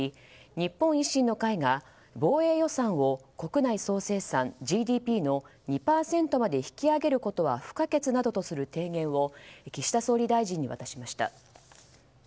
日本維新の会が防衛予算を国内総生産・ＧＤＰの２％まで引き上げることは不可欠などとする提言を岸田総理大臣に渡しました。